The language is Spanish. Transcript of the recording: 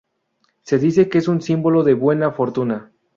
Se dice que es un símbolo de buena fortuna.